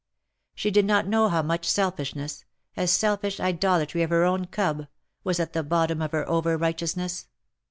She did not know how much selfishness — a selfish idolatry of her own cub — was at the bottom of her over righteousness.